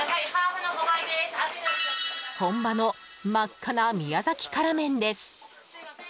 本場の、真っ赤な宮崎辛麺です。